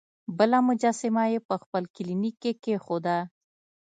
بله مجسمه یې په خپل کلینیک کې کیښوده.